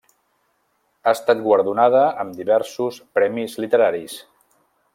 Ha estat guardonada amb diversos premis literaris.